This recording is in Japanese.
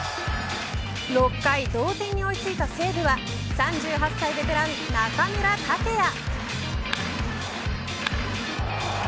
６回、同点に追い付いた西武は３８歳ベテラン、中村剛也。